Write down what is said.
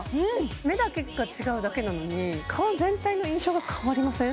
目だけが違うだけなのに顔全体の印象が変わりません？